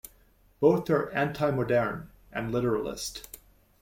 Both are "antimoderne" and literalist.